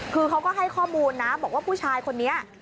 คือเขาก็ให้ข้อมูลนะบอกว่าผู้ชายคนนี้